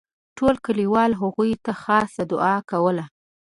ټولو کلیوالو هغوی ته خاصه دوعا کوله.